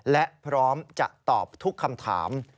และพร้อมจะตอบทุกคำถาม